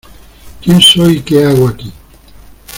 Quién soy y qué hago aquí...